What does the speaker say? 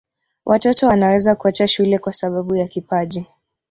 watoto wanaweza kuacha shule kwa sababu ya kipaji